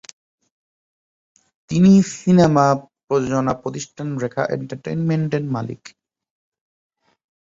তিনি সিনেমা প্রযোজনা প্রতিষ্ঠান রেখা এন্টারটেইনমেন্টের মালিক।